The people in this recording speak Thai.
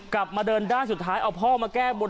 กลับมาเดินด้านสุดท้ายเอาพ่อมาแก้บน